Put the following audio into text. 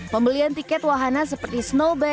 pembelian tiket wahana seperti ini tidak terlalu banyak